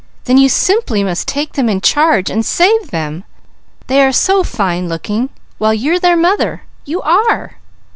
"Then you simply must take them in charge and save them; they are so fine looking, while you're their mother, you are!"